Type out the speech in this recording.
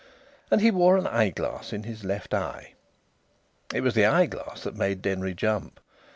And he wore an eyeglass in his left eye. It was the eyeglass that made Denry jump.